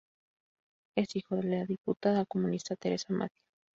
Es hijo de la diputada comunista Teresa Mattei.